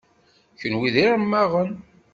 Kenwi d iremmaɣen.